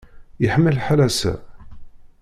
Yeḥma lḥal ass-a.